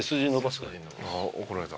怒られた。